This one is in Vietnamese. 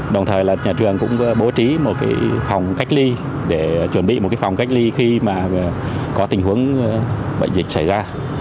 đồng thời là nhà trường cũng bố trí một phòng cách ly để chuẩn bị một phòng cách ly khi mà có tình huống bệnh dịch xảy ra